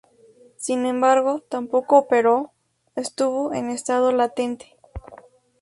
Sin embargo, tampoco operó, estuvo en estado latente.